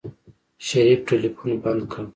شريف ټلفون بند کړ.